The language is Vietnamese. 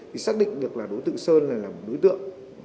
thì xác định được là đối tượng sơn là đối tượng